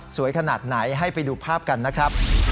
ขนาดไหนให้ไปดูภาพกันนะครับ